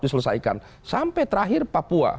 diselesaikan sampai terakhir papua